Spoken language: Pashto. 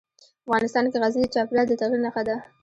افغانستان کې غزني د چاپېریال د تغیر نښه ده.